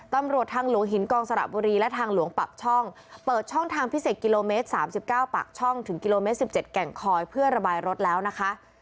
ตำรวจทางหลวงหินกองสระบุรีและทางหลวงปากช่องเปิดช่องทางพิเศษกิโลเมตร๓๙ปากช่องถึงกิโลเมตร๑๗แก่งคอยเพื่อระบายรถแล้วนะคะ